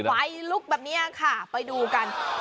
ไฟลุกแบบนี้ค่ะไปดูกัน